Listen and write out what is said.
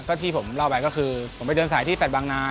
ก็ที่ผมเล่าไปก็คือผมไปเดินสายที่แฟลตบางนา